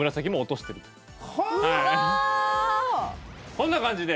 こんな感じで。